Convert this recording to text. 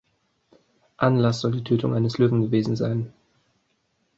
Anlass soll die Tötung eines Löwen gewesen sein.